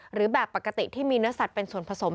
หรือแบบปกติที่มีเนื้อสัตว์เป็นส่วนผสม